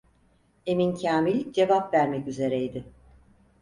Emin Kâmil cevap vermek üzereydi.